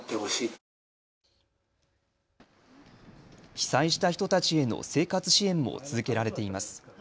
被災した人たちへの生活支援も続けられています。